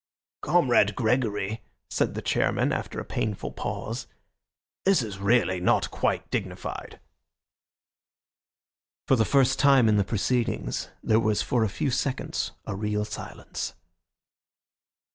"Comrade Gregory," said the chairman after a painful pause, "this is really not quite dignified." For the first time in the proceedings there was for a few seconds a real silence.